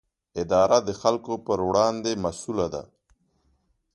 اداره د خلکو پر وړاندې مسووله ده.